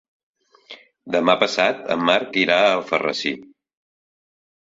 Demà passat en Marc irà a Alfarrasí.